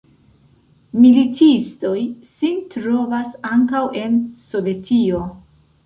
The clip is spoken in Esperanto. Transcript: Militistoj sin trovas ankaŭ en Sovetio.